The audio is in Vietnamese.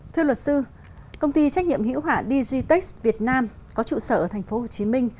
thưa luật sư công ty trách nhiệm hữu hạ digitex việt nam có trụ sở ở tp hcm